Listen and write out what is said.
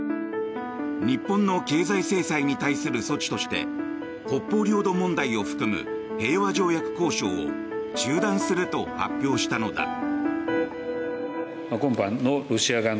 日本の経済制裁に対する措置として北方領土問題を含む平和条約交渉を中断すると発表したのだ。